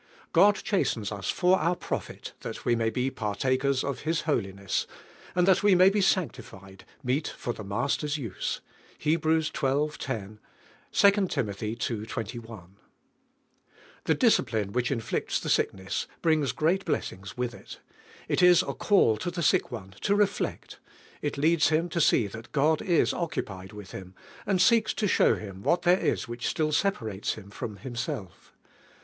God chastens us "for our profit, that we may be partakers of His holiness," and that we may be sanctified, "meet for the Master's use" (He h. xii. 10; II. Tim. ii. 21). The discipline which inflicts the sick ness brings great blessings with it. It is a call to the sick one to reflect; it leads him to see (hat Gad is occupied with him, and seeks to show him what there is which still separates him from Himself.